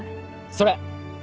それ！